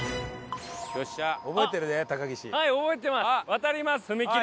渡ります踏切を。